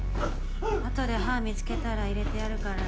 あとで歯見つけたら入れてやるからさ